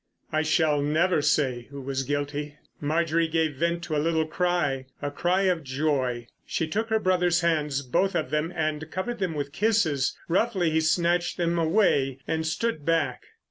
"I shall never say who was guilty." Marjorie gave vent to a little cry: a cry of joy. She took her brother's hands, both of them, and covered them with kisses. Roughly he snatched them away and stood back.